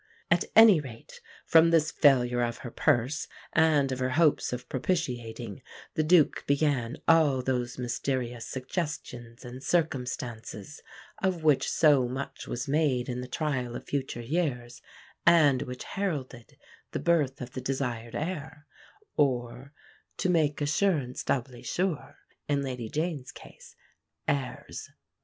At any rate, from this failure of her purse and of her hopes of propitiating the Duke began all those mysterious suggestions and circumstances, of which so much was made in the trial of future years, and which heralded the birth of the desired heir or "to make assurance doubly sure," in Lady Jean's case heirs.